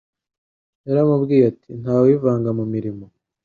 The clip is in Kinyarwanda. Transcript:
yaramubwiye ati “nta wivanga mu mirimo